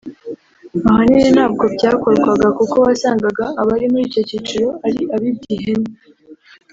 ahanini ntabwo byakorwaga kuko wasangaga abari muri icyo cyiciro ari abibye ihene